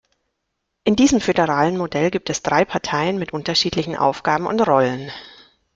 In diesem föderalen Modell gibt es drei Parteien mit unterschiedlichen Aufgaben und Rollen.